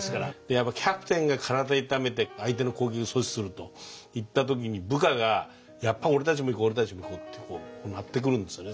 やっぱりキャプテンが体痛めて相手の攻撃阻止するといった時に部下がやっぱり俺たちも行こう俺たちも行こうってなってくるんですよね。